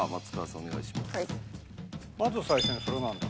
まず最初にそれなんだ。